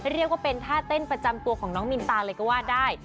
เรียกว่าเป็นท่าเต้นประจำตัวของน้องมินตาเลยก็ว่าได้